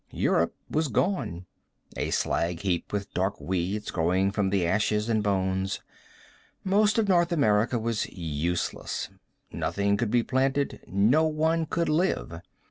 Europe was gone; a slag heap with dark weeds growing from the ashes and bones. Most of North America was useless; nothing could be planted, no one could live.